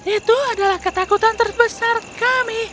itu adalah ketakutan terbesar kami